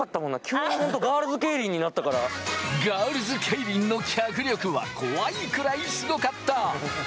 ガールズケイリンの脚力は怖いくらいすごかった！